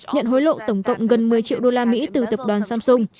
nhận hối lộ tổng cộng gần một mươi triệu đô la mỹ từ tập đoàn samsung